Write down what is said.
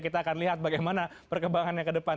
kita akan lihat bagaimana perkembangan yang ke depan